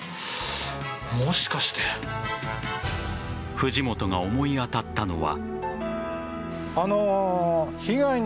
藤本が思い当たったのは。